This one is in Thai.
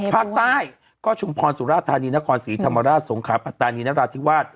ภาคใต้ก็ชุมพรสุราธานีนครศรีธรรมราชสงขาปัตตานีนราธิวาส